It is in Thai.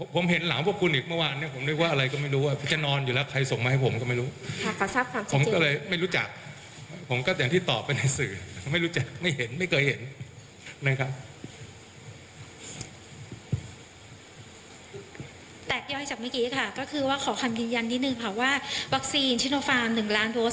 แตกย่อให้จากเมื่อกี้ค่ะก็คือว่าขอคำยืนยันนิดนึงค่ะว่าวัคซีนซิโนฟาร์ม๑ล้านโดส